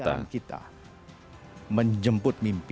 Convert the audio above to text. ini jalan kita menjemput mimpi